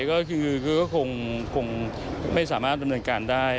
ก็คือคงไม่สามารถดำเนินการได้